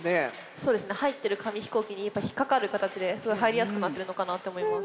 そうですね入ってる紙飛行機に引っかかる形ですごい入りやすくなってるのかなって思います。